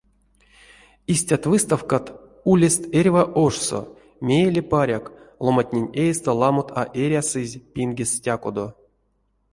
Истят выставкат улест эрьва ошсо, мейле, паряк, ломантнень эйстэ ламот а эрясызь пингест стякодо.